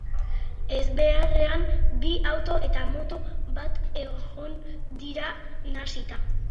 Ezbeharrean bi auto eta moto bat egon dira nahasita.